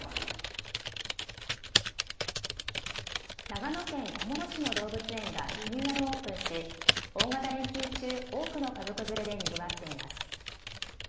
長野県小諸市の動物園がリニューアルオープンし大型連休中、多くの家族連れでにぎわっています。